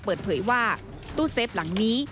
เปิดเผยว่าตู้เซฟหลังนี้